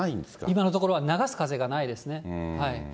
今のところは流す風がないですね。